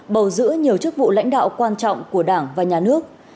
bầu giữ nhiều chức vụ lãnh đạo quan trọng của đảng và nhà nước